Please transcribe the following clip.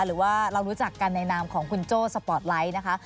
หรือว่าเรารู้จักกันในนามของคุณโจ้สปอร์ตไลท์นะคะ